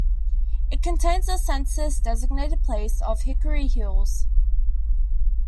It contains the census-designated place of Hickory Hills.